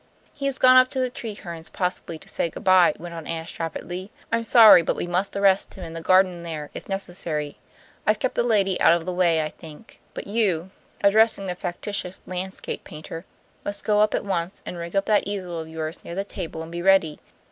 "He has gone up to the Trehernes possibly to say good by," went on Ashe rapidly. "I'm sorry, but we must arrest him in the garden there, if necessary. I've kept the lady out of the way, I think. But you" addressing the factitious landscape painter "must go up at once and rig up that easel of yours near the table and be ready.